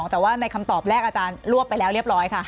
แต่ว่าในคำตอบแรกอาจารย์รวบไปแล้วเรียบร้อยค่ะ